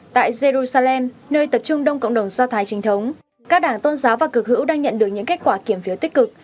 tại jerusalem nơi tập trung đông cộng đồng do thái trình thống các đảng tôn giáo và cực hữu đang nhận được những kết quả kiểm phiếu tích cực